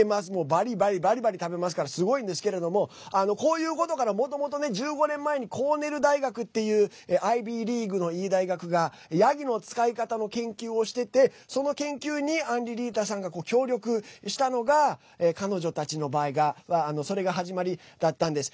バリバリバリバリ食べますからすごいんですけれどもこういうことからもともと１５年前にコーネル大学っていうアイビーリーグの、いい大学がヤギの使い方の研究をしててその研究にアンリリータさんが協力したのが彼女たちの場合がそれが始まりだったんです。